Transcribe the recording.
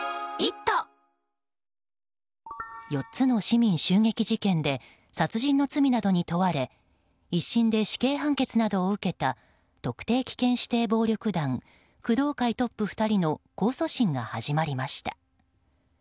４つの市民襲撃事件で殺人の罪などに問われ１審で死刑判決などを受けた特定危険指定暴力団工藤会トップ２の控訴審が始まりました。